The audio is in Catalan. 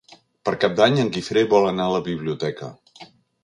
Per Cap d'Any en Guifré vol anar a la biblioteca.